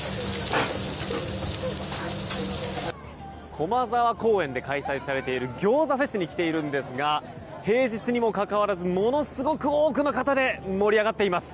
駒沢公園で開催されている餃子フェスに来ているんですが平日にもかかわらずものすごく多くの方で盛り上がっています。